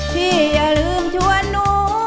อย่าลืมชวนหนู